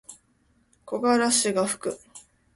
木枯らしがふく。